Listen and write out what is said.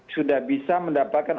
sudah bisa mendapatkan